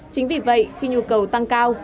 chính vì vậy khi nhu cầu tăng cao